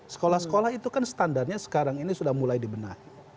sekolah sekolah itu kan standarnya sekarang ini sudah mulai dibenahi